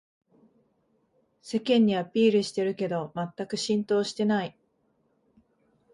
世間にアピールしてるけどまったく浸透してない